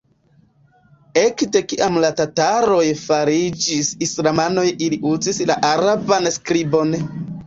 Ekde kiam la tataroj fariĝis islamanoj ili uzis la araban skribon.